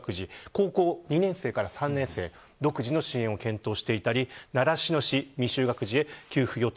高校２年生から３年生独自の支援を検討していたり習志野市、未就学児へ給付予定。